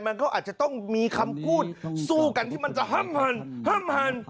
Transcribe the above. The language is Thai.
มันก็อาจจะต้องมีคำพูดสู้กันที่มันจะห้ำหันห้ามหัน